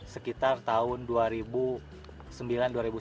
berkait dengan perkembangan drift trike di indonesia